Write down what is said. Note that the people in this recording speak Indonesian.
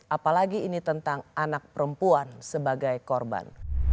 apalagi ini tentang anak perempuan sebagai korban